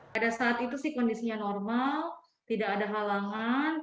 pada saat itu sih kondisinya normal tidak ada halangan